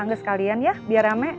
tangga sekalian ya biar rame